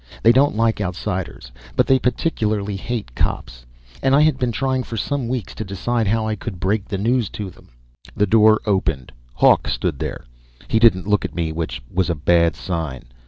They don't like outsiders. But they particularly hate cops, and I had been trying for some weeks to decide how I could break the news to them. The door opened. Hawk stood there. He didn't look at me, which was a bad sign.